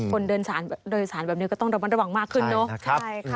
คนเดินสารแบบนี้ก็ต้องระวังมากขึ้นเนาะ